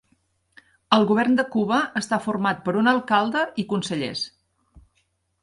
El govern de Cuba està format per un alcalde i consellers.